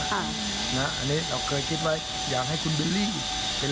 ข้างโน่นพี่ก็ไม่ได้ตั้งแบบนั้นเป็นเรื่องหนึ่ง